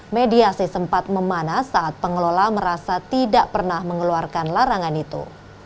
mediasi sempat memanas saat pengelola merasa tidak pernah mengeluarkan larangan itu